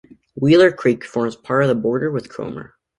Wheeler Creek forms part of the border with Cromer.